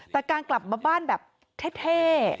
แต่การกลับมาบ้านแบบเท่